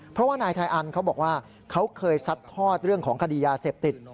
เพราะว่านายไทยอันเขาบอกว่าเขาเคยซัดทอดเรื่องของคดียาเสพติด